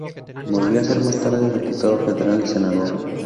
Volvió a ser más tarde diputado federal y senador.